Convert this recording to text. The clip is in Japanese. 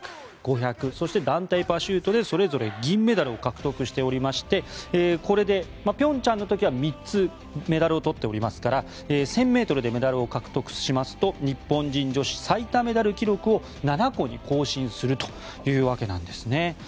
１５００ｍ、５００ｍそして、団体パシュートでそれぞれ銀メダルを獲得しておりましてこれで平昌の時は３つメダルを取っていますから１０００ｍでメダルを獲得しますと日本女子最多メダル記録を７個に更新するというわけです。